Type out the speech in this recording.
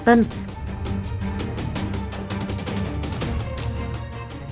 điểm đến già nuyện